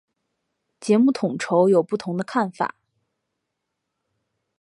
节目统筹有不同的看法。